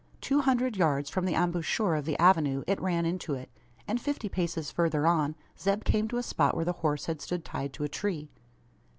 Two hundred yards from the embouchure of the avenue, it ran into it; and fifty paces further on Zeb came to a spot where the horse had stood tied to a tree.